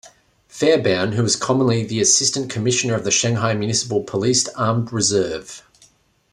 Fairbairn, who was formerly the Assistant Commissioner of the Shanghai Municipal Police Armed Reserve.